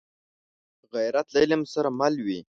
غیرت له علم سره مل وي